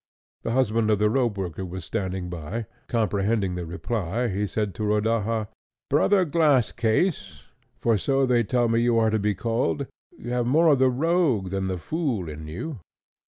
The husband of the ropeworker was standing by, and comprehending the reply, he said to Rodaja, "Brother Glasscase, for so they tell me you are to be called, you have more of the rogue than the fool in you!"